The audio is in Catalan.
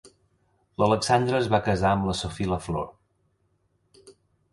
L'Alexandre es va casar amb la Sophie Lafleur.